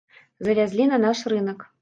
Завязлі на наш рынак.